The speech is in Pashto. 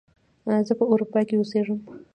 زه په اروپا کې اوسیږم